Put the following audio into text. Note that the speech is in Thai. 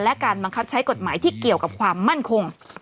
และการบังคับใช้กฎหมายที่เกี่ยวกับความมั่นคง